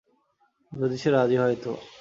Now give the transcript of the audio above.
যদি সে রাজি হয় তো।